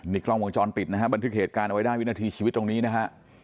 กล้องวงจรปิดนะฮะบันทึกเหตุการณ์เอาไว้ได้วินาทีชีวิตตรงนี้นะฮะ